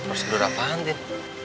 prosedur apaan tin